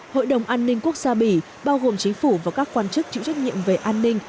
hội đồng an ninh quốc gia bỉ bao gồm chính phủ và các quan chức chịu trách nhiệm về an ninh